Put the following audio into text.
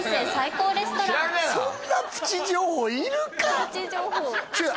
そんなプチ情報いるか？